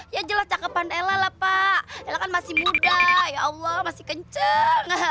yang jelas cakepan ella lah pak ella kan masih muda ya allah masih kenceng